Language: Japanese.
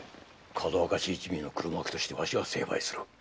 かどわかし一味の黒幕としてわしが成敗する。